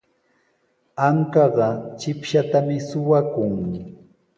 Ankaqa chipshatami suqakun.